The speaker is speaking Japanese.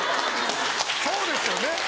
そうですよね。